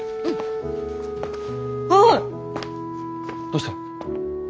どうした？